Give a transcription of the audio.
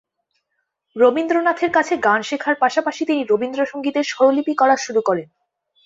রবীন্দ্রনাথের কাছে গান শেখার পাশাপাশি তিনি রবীন্দ্রসঙ্গীতের স্বরলিপি করা শুরু করেন।